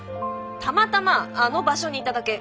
たまたまあの場所にいただけ。